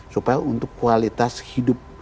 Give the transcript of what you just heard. supaya untuk kualitas hidup